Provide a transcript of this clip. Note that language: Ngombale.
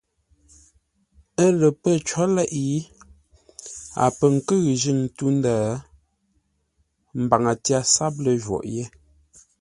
Ə́ lə pə̂ có leʼé, a pə̂ nkʉ̂ʉ njʉ̂ŋ tû-ndə̂, ə mbaŋə tyâr sáp ləjwôghʼ yé.